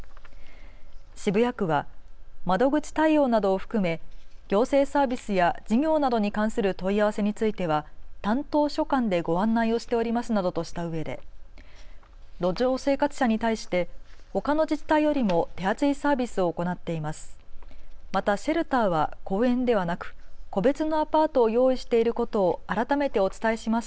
渋谷区は窓口対応などを含め行政サービスや事業などに関する問い合わせについては担当所管でご案内をしておりますなどとしたうえで、路上生活者に対して他の自治体よりも手厚いサービスを行っています。